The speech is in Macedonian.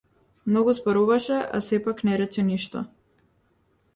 Многу зборуваше а сепак не рече ништо.